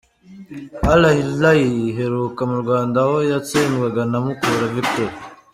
Al Hilal iheruka mu Rwanda aho yatsindwaga na Mukura Victory